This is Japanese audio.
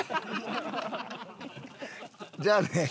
じゃあね。